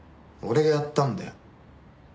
俺がやったんだよ。